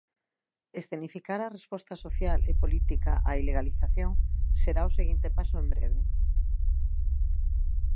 Escenificar a resposta social e política á ilegalización será o seguinte paso en breve.